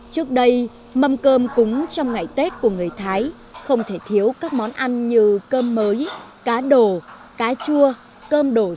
trước đây mâm cơm cúng trong ngày tết của người thái không thể thiếu các món ăn như cơm mới cá đồ cá chua cơm đổ rụ